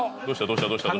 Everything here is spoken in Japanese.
どうした？